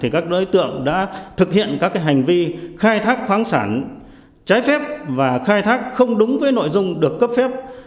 các đối tượng đã thực hiện các hành vi khai thác khoáng sản trái phép và khai thác không đúng với nội dung được cấp phép